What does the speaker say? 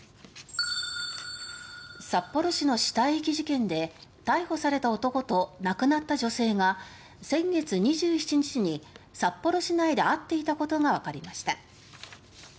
札幌市の死体遺棄事件で逮捕された男と亡くなった女性が先月２７日、札幌市内で会っていたことが分かりました。